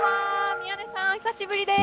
宮根さん、久しぶりです。